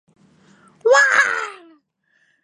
わー